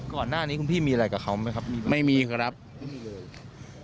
ก่อนหน้านี้คุณพี่มีอะไรกับเขาไหมครับไม่มีครับไม่มีเลย